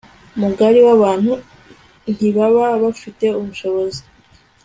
mugari wabantu ntibaba bafite ubushobozi